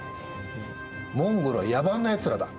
モンゴルは野蛮なやつらだ。